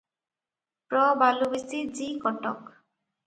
ପ୍ର ବାଲୁବିଶି ଜି କଟକ ।